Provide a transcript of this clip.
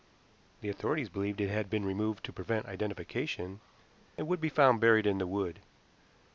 The authorities believed that it had been removed to prevent identification, and would be found buried in the wood.